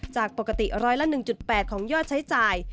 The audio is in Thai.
จากปกติร้อยละ๑๘ของยอดใช้จ่าย